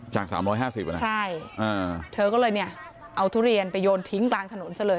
จากสามร้อยห้าสิบใช่เธอก็เลยเนี่ยเอาทุเรียนไปโยนทิ้งบางถนนซะเลย